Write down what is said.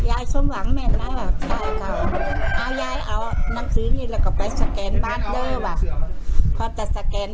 มาพิศนุวงศ์เอาหน้าหน้านี้เปิดไว้หนักซะกาวเอง